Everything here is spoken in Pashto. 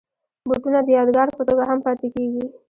بوټونه د یادګار په توګه هم پاتې کېږي.